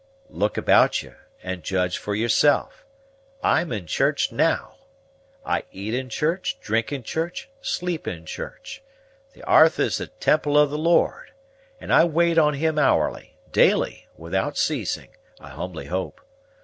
"Look about you, and judge for yourself. I'm in church now; I eat in church, drink in church, sleep in church. The 'arth is the temple of the Lord, and I wait on Him hourly, daily, without ceasing, I humbly hope.